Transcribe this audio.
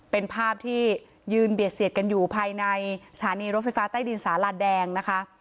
เป็นภาพที่ยืนเบียดเสียดกันอยู่ภายในสถานีรถไฟฟ้าใต้ดินสาลาแดงนะคะ